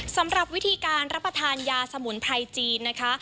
สำหรับวิธีการรับประทานยาสมุนไพรจีนนะคะ